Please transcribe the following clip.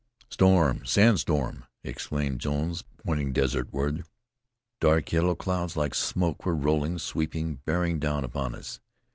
"Storm! Sandstorm!" exclaimed Jones, pointing desert ward. Dark yellow clouds like smoke were rolling, sweeping, bearing down upon us.